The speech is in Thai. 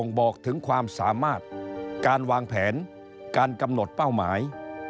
บอกถึงความสามารถการวางแผนการกำหนดเป้าหมาย